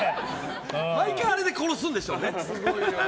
毎回、あれで殺すんですよね。